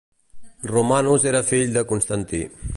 Romanus era fill de Constantí.